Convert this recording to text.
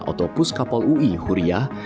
otopus kapol ui huriah